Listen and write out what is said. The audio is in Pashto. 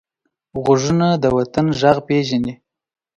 غوږونه د وطن غږ پېژني